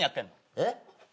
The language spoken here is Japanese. えっ？